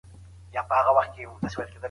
تر څو چې ساه لرو.